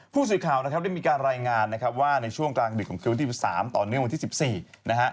ผู้สวยข่าวได้มีการรายงานว่าในช่วงกลางดึกของคืนวันที่๓ต่อเนื่องวันที่๑๔